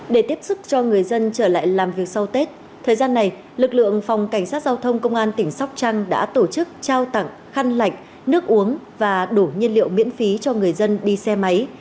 để tiếp sức cho người dân trở lại làm việc sau tết thời gian này lực lượng phòng cảnh sát giao thông công an tỉnh sóc trăng đã tổ chức trao tặng khăn lạnh nước uống và đủ nhiên liệu miễn phí cho người dân đi xe máy